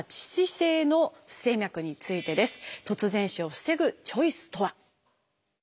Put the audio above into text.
突然死を防ぐチョイスとは。